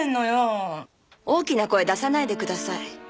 大きな声出さないでください。